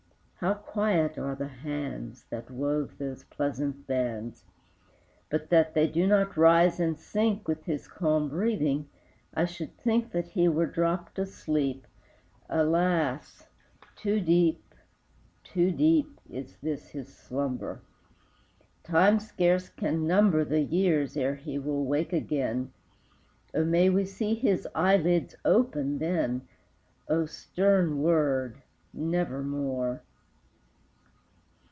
How quiet are the hands That wove those pleasant bands! But that they do not rise and sink With his calm breathing, I should think That he were dropped asleep. Alas! too deep, too deep Is this his slumber! Time scarce can number The years ere he will wake again. O, may we see his eyelids open then! O stern word Nevermore!